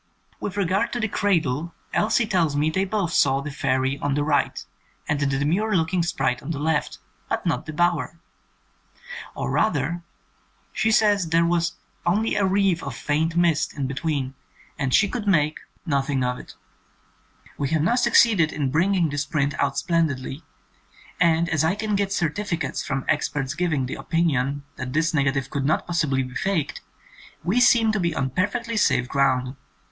With regard to the 'cradle' Elsie tells me they both saw the fairy on the right and the demure looking sprite on the left, but not the bower. Or rather, she says there was only a wreath of faint mist in between and she could make 100 THE SECOND SERIES nothing of it. We have now succeeded in bringing this print out splendidly, and as I can get certificates from experts giving the opinion that this negative could not possibly be 'faked' we seem to be on perfectly safe ground.